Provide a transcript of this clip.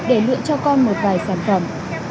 để lượn cho con một vài sản phẩm